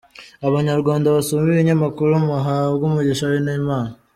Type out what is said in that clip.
"Abanyarwanda basoma Ibinyamakuru muhabwe umugisha n’Imana.